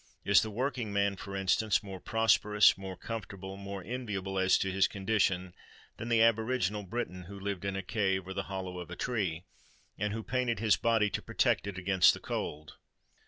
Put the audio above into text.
Is the working man, for instance, more prosperous, more comfortable, more enviable as to his condition, than the aboriginal Briton who lived in a cave or the hollow of a tree, and who painted his body to protect it against the cold?